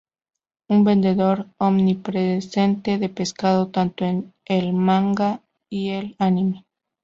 Un vendedor omnipresente de pescado, tanto en el manga y el anime.